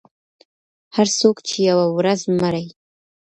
• هر څوک چې یوه ورځ مري.